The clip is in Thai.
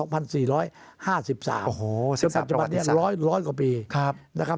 ปัจจุบันนี้๑๐๐กว่าปี